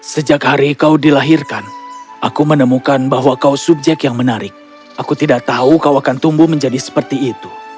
sejak hari kau dilahirkan aku menemukan bahwa kau subjek yang menarik aku tidak tahu kau akan tumbuh menjadi seperti itu